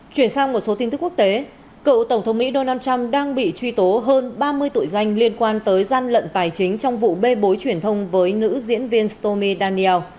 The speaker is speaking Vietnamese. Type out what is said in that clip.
chuyển sang một số tin tức quốc tế cựu tổng thống mỹ donald trump đang bị truy tố hơn ba mươi tội danh liên quan tới gian lận tài chính trong vụ bê bối truyền thông với nữ diễn viên stomy daniel